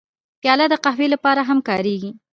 پیاله د قهوې لپاره هم کارېږي.